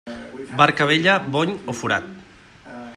Barca vella, bony o forat.